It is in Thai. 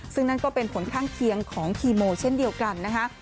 ซึ่งนั่นก็เป็นผลข้างเคียงของคีโมเช่นเดียวกันนะคะ